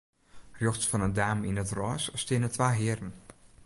Rjochts fan 'e dame yn it rôs steane twa hearen.